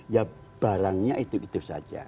ya barangnya itu itu saja